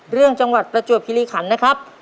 เรื่องจังหวัดประจวบฮิริขันธ์นะครับ